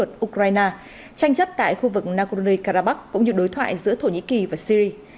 tránh chấp tại khu vực nagorno karabakh cũng như đối thoại giữa thổ nhĩ kỳ và syri